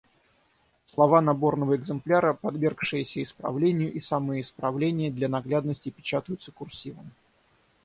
Слова наборного экземпляра, подвергшиеся исправлению, и самые исправления для наглядности печатаются курсивом.